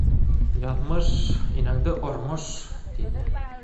Яҙмыш - инәңде ормош! - тине.